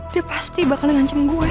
dia pasti bakal ngancurin aku yaa